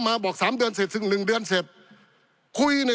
ปี๑เกณฑ์ทหารแสน๒